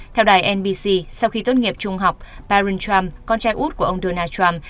theo đài nbc sau khi tốt nghiệp trung học taron trump con trai út của ông donald trump